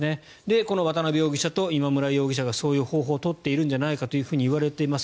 この渡邉容疑者と今村容疑者がそういう方法を取っているんじゃないかといわれています。